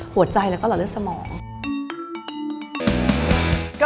หัวใจแล้วก็หลอดเลือดสมอง